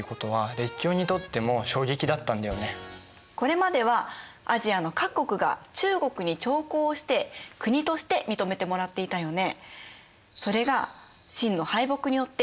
これまではアジアの各国が中国に朝貢をして国として認めてもらっていたよね。